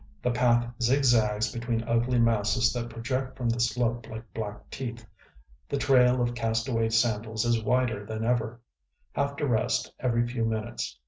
The path zigzags between ugly masses that project from the slope like black teeth. The trail of cast away sandals is wider than ever.... Have to rest every few minutes....